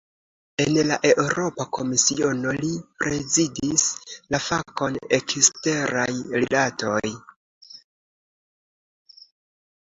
En la Eŭropa Komisiono, li prezidis la fakon "eksteraj rilatoj".